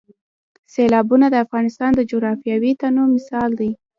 سیلابونه د افغانستان د جغرافیوي تنوع مثال دی.